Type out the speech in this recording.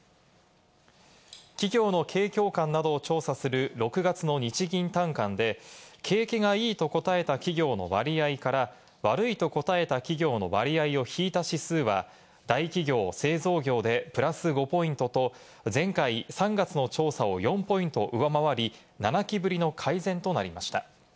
企業の景況感などを調査する６月の日銀短観で、景気がいいと答えた企業の割合から悪いと答えた企業の割合を引いた指数は、大企業・製造業でプラス５ポイントと、前回３月の調査を４ポイント上回り、７期ぶりの改善となりました。